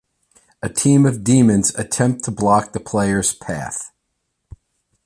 A team of demons attempt to block the player's path.